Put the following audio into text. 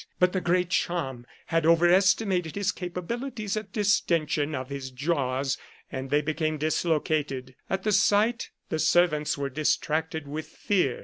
But the Great Cham had over estimated the capabilities of the distension of his jaws, and they became dislocated. At the sight, the servants were distracted with fear.